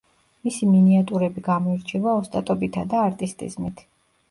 მისი მინიატურები გამოირჩევა ოსტატობითა და არტისტიზმით.